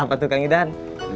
siap pak tukang idan